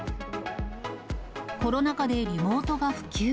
コロナ禍でリモートが普及。